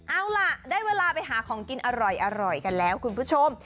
เอาล่ะได้เวลาไปหาของกินอร่อยกันแล้วคุณผู้ชม